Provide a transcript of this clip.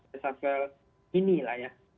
reshuffle ini lah ya